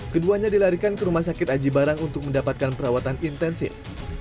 keduanya dilarikan ke rumah sakit aji barang untuk mendapatkan perawatan intensif